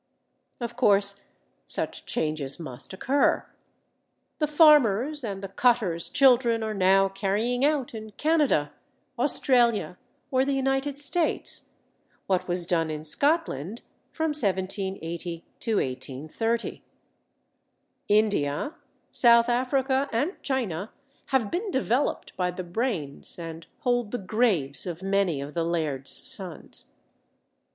Of course such changes must occur. The farmer's and the cottar's children are now carrying out in Canada, Australia, or the United States, what was done in Scotland from 1780 1830. India, South Africa, and China have been developed by the brains and hold the graves of many of the laird's sons.